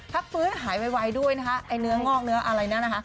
พักฟื้นหายไวด้วยนะคะไอ้เนื้องอกเนื้ออะไรเนี่ยนะคะ